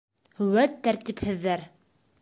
Вәт тәртипһеҙҙәр!